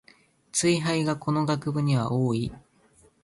ツイ廃がこの学部には多い